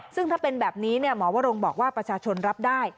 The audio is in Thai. ซึ่งถ้าเป็นแบบนี้หมอวรงบอกว่าประชาชนรับได้